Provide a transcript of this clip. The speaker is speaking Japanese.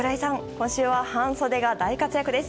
今週は半袖が大活躍です！